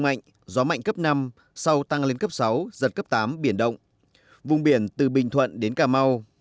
gió mạnh gió mạnh cấp năm sau tăng lên cấp sáu giật cấp tám biển động vùng biển từ bình thuận đến cà mau